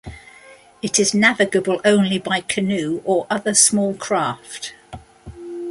It is navigable only by canoe or other small craft.